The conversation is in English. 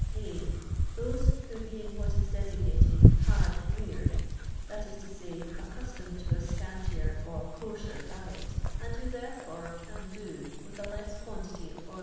a. Those who, being what is designated hard roared that is to siy, accustomed to a scantier or coarser diet, and who, therefore, '' can do " with a less quantity or le.